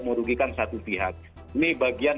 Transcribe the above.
merugikan satu pihak ini bagian